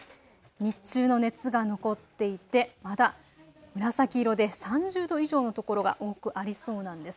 日中の熱が残っていてまだ紫色で３０度以上の所が多くありそうなんです。